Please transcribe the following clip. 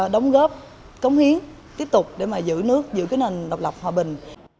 đóng góp cống hiến tiếp tục để mà giữ nước giữ cái nền độc lập hòa bình